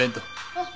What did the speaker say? あっ。